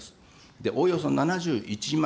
で、おおよそ７１万